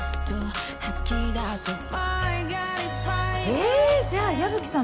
へぇじゃあ矢吹さん